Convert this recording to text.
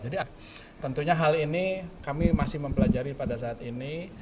jadi tentunya hal ini kami masih mempelajari pada saat ini